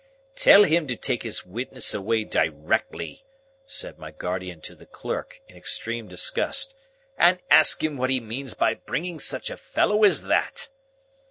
"Tell him to take his witness away directly," said my guardian to the clerk, in extreme disgust, "and ask him what he means by bringing such a fellow as that."